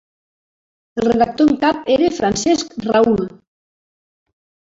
El redactor en cap era Francesc Raüll.